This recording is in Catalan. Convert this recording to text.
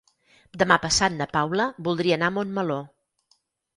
Demà passat na Paula voldria anar a Montmeló.